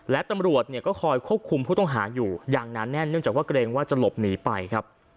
และตำรวจเนี่ยก็คอยควบคุมผู้ต้องหาอยู่อย่างหนาแน่นเนื่องจากว่าเกรงว่าจะหลบหนีไปครับ